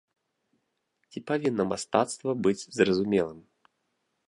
Ці павінна мастацтва быць зразумелым?